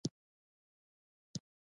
کاکړ په جرګو کې عادلانه پرېکړې کوي.